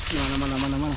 udah aman aman aman